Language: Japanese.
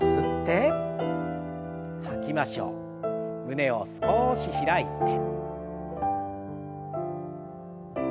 胸を少し開いて。